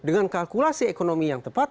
dengan kalkulasi ekonomi yang tepat